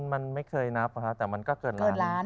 มันไม่เคยนับแต่มันก็เกินล้าน